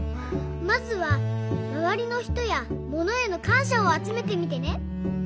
まずはまわりのひとやものへのかんしゃをあつめてみてね。